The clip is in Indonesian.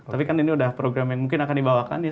tapi kan ini udah program yang mungkin akan dibawakan ya